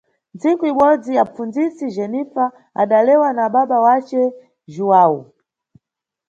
Ntsiku ibodzi, apfundzisi Jenifa adalewa na baba wace Jhuwawu